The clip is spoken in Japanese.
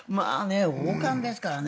王冠ですからね。